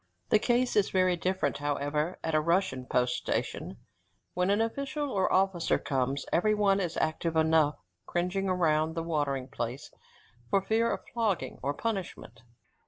The case is very different, however, at a Russian post station; when an official or officer comes, every one is active enough, cringing round the watering place for fear of flogging or punishment.